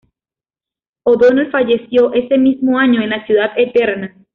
O'Donnell falleció ese mismo año en la ciudad eterna.